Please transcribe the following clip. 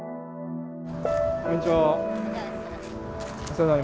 こんにちは。